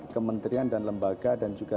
kementerian dan lembaga dan juga